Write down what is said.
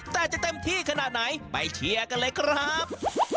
แต่จะเต็มที่ขนาดไหนไปเชียร์กันเลยครับ